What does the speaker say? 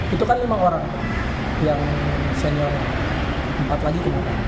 itu kan lima orang yang senior empat lagi itu